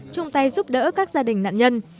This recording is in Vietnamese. chung tay giúp đỡ các gia đình nạn nhân